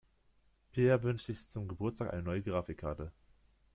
Peer wünscht sich zum Geburtstag eine neue Grafikkarte.